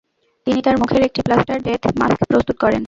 তিনি তার মুখের একটি প্লাস্টার ডেথ মাস্ক প্রস্তুত করেন।